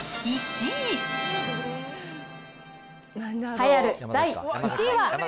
栄えある第１位は。